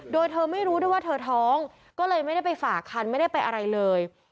โดยเธอไม่รู้ด้วยว่าเธอท้องก็เลยไม่ได้ไปฝากคันไม่ได้ไปอะไรเลย